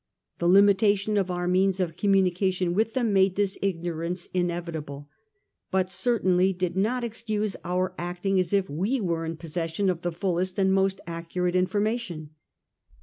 The limi tation of our means of communication with them made this ignorance inevitable, but certainly did not excuse our acting as if we were in possession of the fullest and most accurate information.